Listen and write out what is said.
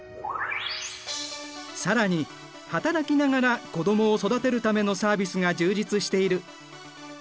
更に働きながら子どもを育てるためのサービスが充実している。